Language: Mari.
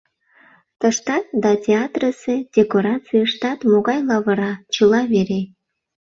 Тыштат да театрысе декорацийыштат могай лавыра, чыла вере.